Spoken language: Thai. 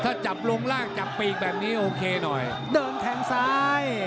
ถ้าจับลงล่างจับปีกแบบนี้โอเคหน่อยเดินแทงซ้าย